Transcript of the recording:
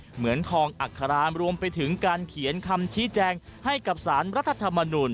เหมือนทองอัครามรวมไปถึงการเขียนคำชี้แจงให้กับสารรัฐธรรมนุน